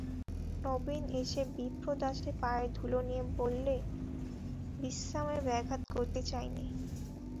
নবীন এসে বিপ্রদাসের পায়ের ধুলো নিয়ে বললে, বিশ্রামে ব্যাঘাত করতে চাই নে।